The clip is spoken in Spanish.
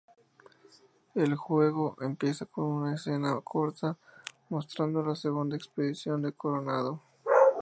El juego empieza con una escena corta mostrando la segunda expedición de Coronado.